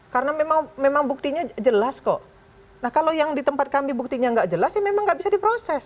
karena memang buktinya jelas kok nah kalau yang di tempat kami buktinya tidak jelas memang tidak bisa diproses